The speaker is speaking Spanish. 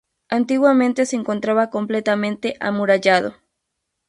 Antiguamente se encontraba completamente amurallado.